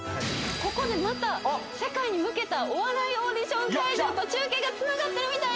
ここでまた世界に向けたお笑いオーディション会場と中継がつながってるみたいです。